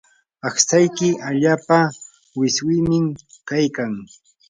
aqtsayki allaapa wiswimim kaykan.